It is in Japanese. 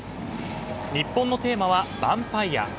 日本のテーマはバンパイア。